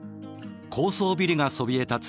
高層ビルがそびえ立つ